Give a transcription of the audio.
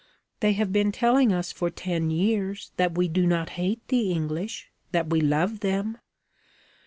They have been telling us for ten years that we do not hate the English that we love them.